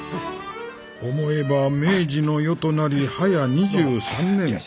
「思えば明治の世となり早２３年。